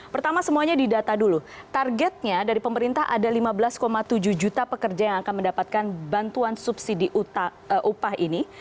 pertama semuanya didata dulu targetnya dari pemerintah ada lima belas tujuh juta pekerja yang akan mendapatkan bantuan subsidi upah ini